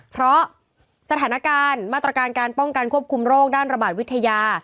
เพราะสถานการณ์มาตรการการป้องกันควบคุมโรคด้านระบาดวิทยา